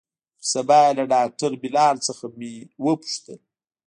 پر سبا يې له ډاکتر بلال څخه مې وپوښتل.